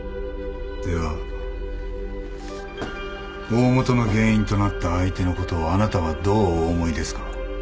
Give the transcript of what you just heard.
では大本の原因となった相手のことをあなたはどうお思いですか？